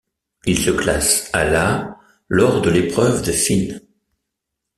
Il se classe à la lors de l'épreuve de Finn.